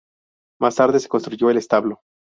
Más tarde se construyó el establo.